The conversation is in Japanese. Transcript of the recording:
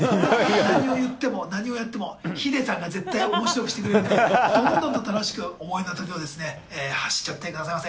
何を言っても何をやっても、ヒデさんが絶対おもしろくしてくれるから、どんどんと楽しく、思いのたけをですね、発しちゃってくださいませ。